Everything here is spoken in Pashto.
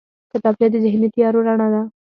کتابچه د ذهني تیارو رڼا ده